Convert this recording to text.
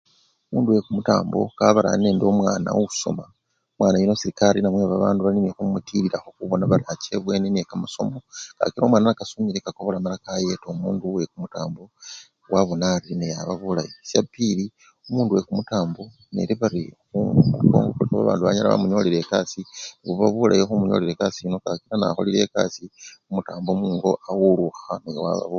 Mundu wekumutambo kabari alinende omwana osoma, omwana yuno serekari namwe bandu bali nende khumutililakho khubona bali acha-ebweni nekamasomo kakila omwana nekasomele kakobola kayeta omundu wekumutambo wabona ari naye aba bulayi, shapili omundu wekumutambo neli bari eliyo babandu banyala khumunyolela ekasii, buba bulayi khumunyolela ekasii yino kakila nakholele ekasii kumutambo mungo awululukha naye waba bulayi.